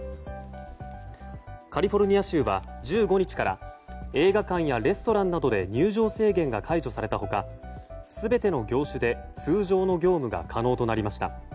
カリフォルニア州は１５日から映画館やレストランなどで入場制限が解除された他全ての業種で通常の業務が可能となりました。